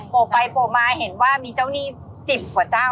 โปะไปโปะมาเห็นว่ามีเจ้าหนี้สิบกว่าเจ้าเลยหรอ